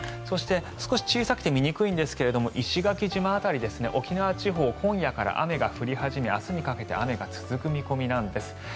そして少し小さくて見にくいんですが石垣島辺りですね沖縄地方今夜から雨が降り始め明日にかけて雨が続く見込みです。